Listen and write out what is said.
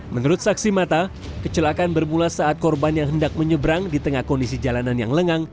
menurut saksi mata kecelakaan bermula saat korban yang hendak menyeberang di tengah kondisi jalanan yang lengang